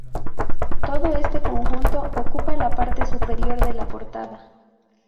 Todo este conjunto ocupa la parte superior de la portada.